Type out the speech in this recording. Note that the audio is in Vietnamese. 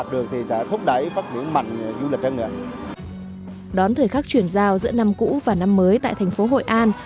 đón thời khắc chuyển giao giữa năm cũ và năm mới tại thành phố hội an